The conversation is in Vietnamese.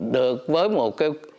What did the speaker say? được với một